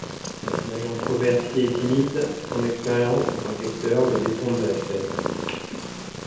Personnage introverti et timide, son expérience en tant qu'acteur le détourne de la scène.